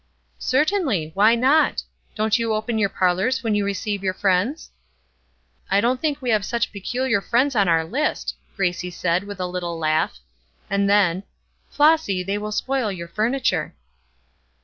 "Certainly; why not? Don't you open your parlors when you receive your friends?" "I don't think we have such peculiar friends on our list," Gracie said, with a little laugh; and then, "Flossy, they will spoil your furniture."